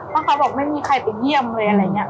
เมื่อค้าบอกไม่มีใครไปเยี่ยมอะไรอย่างเงี้ย